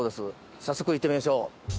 早速、行ってみましょう。